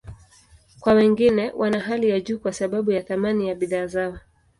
Kwa wengine, wana hali ya juu kwa sababu ya thamani ya bidhaa zao.